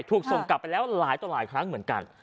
ถูกส่งกลับไปแล้วหลายต่อหลายครั้งเหมือนกัน